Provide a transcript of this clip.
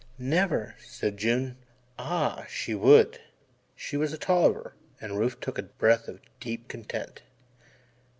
"Never," said June. Ah, she would she was a Tolliver and Rufe took a breath of deep content.